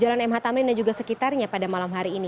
jalan mh tamrin dan juga sekitarnya pada malam hari ini